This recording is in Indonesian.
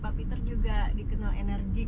pak peter juga dikenal enerjik